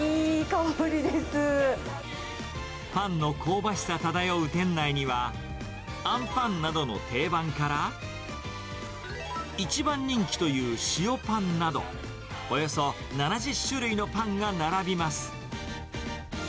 パンの香ばしさ漂う店内には、あんパンなどの定番から、一番人気という塩パンなど、およそ７０種類のパンが並びます。